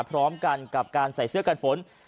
พร้อมกันกับการใส่เสื้อกันฝน